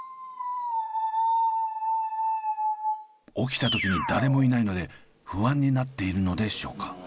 起きた時に誰もいないので不安になっているのでしょうか？